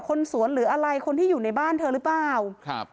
คนสวนหรืออะไรคนที่อยู่ในบ้านเธอหรือเปล่าครับ